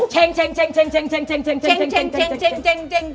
แม่ว่าเล่นงิ้ว